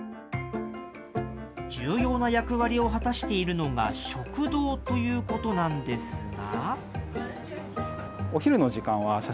重要な役割を果たしているのが食堂ということなんですが。